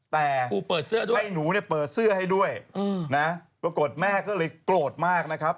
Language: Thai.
แต่ให้หนูเนี่ยเปิดเสื้อให้ด้วยนะปรากฏแม่ก็เลยโกรธมากนะครับ